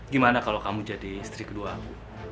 gimana kalau kamu jadi istri kedua aku